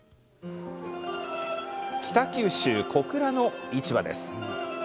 北九州・小倉の市場です。